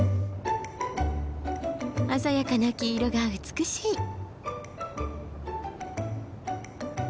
鮮やかな黄色が美しい。